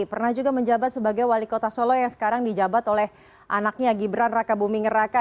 pernah juga menjabat sebagai wali kota solo yang sekarang dijabat oleh anaknya gibran raka buming raka